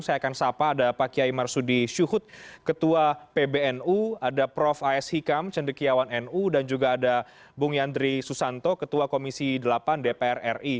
saya akan sapa ada pak kiai marsudi syuhud ketua pbnu ada prof as hikam cendekiawan nu dan juga ada bung yandri susanto ketua komisi delapan dpr ri